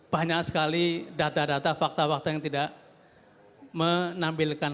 banyak sekali data data fakta fakta yang tidak menampilkan